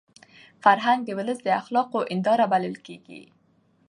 فرهنګ د ولس د اخلاقو هنداره بلل کېږي.